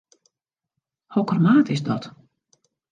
Hokker maat is dat?